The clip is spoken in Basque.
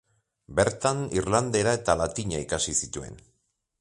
Bertan irlandera eta latina ikasi zituen.